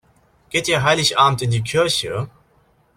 Geht ihr Heiligabend in die Kirche?